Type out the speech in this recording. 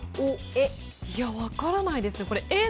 いや、分からないですね。